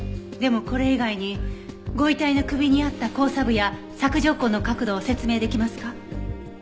でもこれ以外にご遺体の首にあった交叉部や索条痕の角度を説明できますか？